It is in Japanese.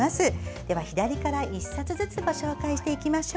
では、左から１冊ずつご紹介していきましょう。